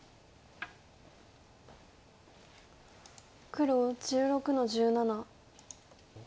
黒１６の十七。